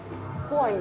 怖い。